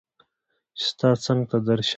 چې ستا څنګ ته درشم